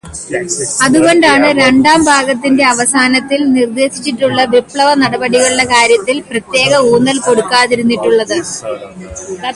അതു് കൊണ്ടാണു് രണ്ടാം ഭാഗത്തിന്റെ അവസാനത്തിൽ നിർദ്ദേശിച്ചിട്ടുള്ള വിപ്ലവനടപടികളുടെ കാര്യത്തിൽ പ്രത്യേകം ഊന്നൽ കൊടുക്കാതിരുന്നിട്ടുള്ളതു്.